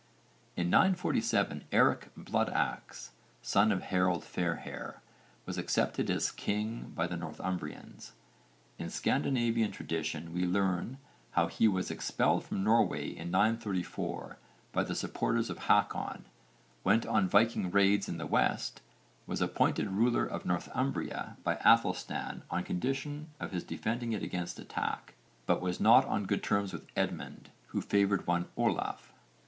In 947 Eric Blood axe, son of Harold Fairhair, was accepted as king by the Northumbrians. In Scandinavian tradition we learn how he was expelled from Norway in 934 by the supporters of Hákon, went on Viking raids in the west, was appointed ruler of Northumbria by Aethelstan on condition of his defending it against attack, but was not on good terms with Edmund, who favoured one Ólaf.